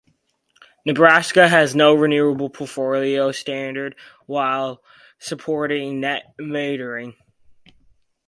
Nebraska has no renewable portfolio standard while supporting net metering.